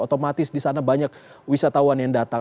otomatis di sana banyak wisatawan yang datang